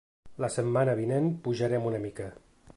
La setmana vinent pujarem una mica.